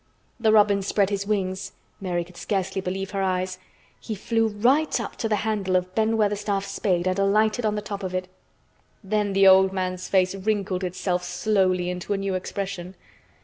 The robin spread his wings—Mary could scarcely believe her eyes. He flew right up to the handle of Ben Weatherstaff's spade and alighted on the top of it. Then the old man's face wrinkled itself slowly into a new expression.